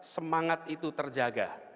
semangat itu terjaga